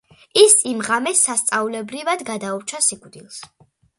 ის იმ ღამეს სასწაულებრივად გადაურჩა სიკვდილს.